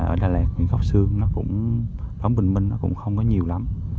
ở đà lạt những góc sương nó cũng bóng bình minh nó cũng không có nhiều lắm